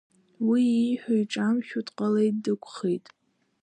Уи ииҳәо иҿамшәо дҟалеит дықәхеит.